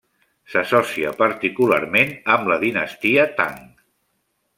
S'associa particularment amb la dinastia Tang.